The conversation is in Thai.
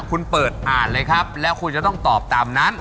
คุณเปิดอ่านเลยครับแล้วคุณจะต้องตอบตามนั้น